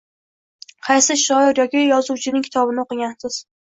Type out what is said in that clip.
Qaysi shoir yoki yozuvchining kitobini o‘qigansiz